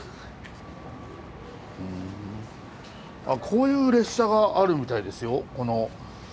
あこういう列車があるみたいですよ。